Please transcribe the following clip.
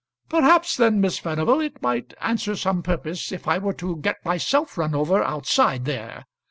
"Perhaps then, Miss Furnival, it might answer some purpose if I were to get myself run over outside there.